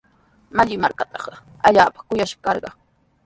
Malli markantraw allaapa kuyashqa karqan.